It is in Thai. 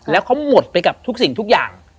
แล้วเขาหมดไปกับทุกสิ่งทุกอย่าง